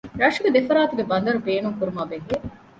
ރަށުގެ ދެފަރާތުގެ ބަނދަރު ބޭނުންކުރުމާ ބެހޭ